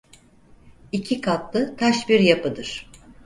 İki katlı taş bir yapıdır.